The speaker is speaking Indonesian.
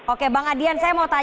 oke bang adian saya mau tanya